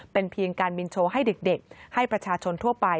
เป็นเพียงการบินโชว์ให้เด็กให้ประชาชนทั่วไป